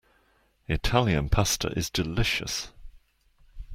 Italian Pasta is delicious.